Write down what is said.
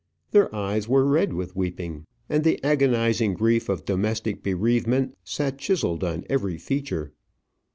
Their eyes were red with weeping, and the agonizing grief of domestic bereavement sat chiselled on every feature.